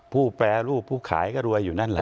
แปรรูปผู้ขายก็รวยอยู่นั่นแหละ